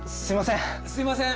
すいません。